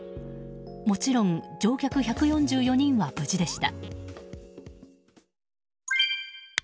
もちろん乗客１４４人は無事でした。